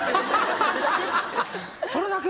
・「それだけ？」